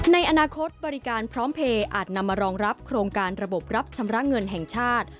ในอนาคตบริการพร้อมเพลย์อาจนำมารองรับโครงการระบบรับชำระเงินแห่งชาติ